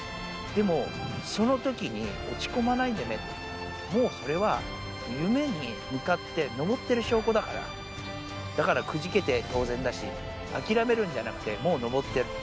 でも、そのときに落ち込まないでね、もうそれは、夢に向かって上ってる証拠だから、だからくじけて当然だし、諦めるんじゃなくて、もう上ってる。